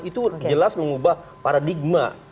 itu jelas mengubah paradigma